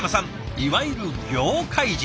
いわゆる業界人。